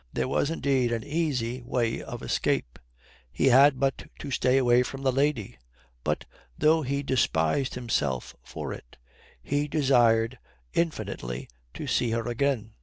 There was indeed an easy way of escape. He had but to stay away from the lady. But, though he despised himself for it, he desired infinitely to see her again.